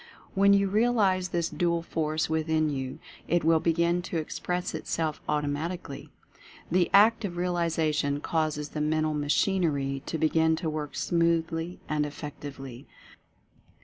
When you realize this dual force within you, it will begin to express itself automatically. The act of realization causes the mental machinery to begin to work smoothly and effectively.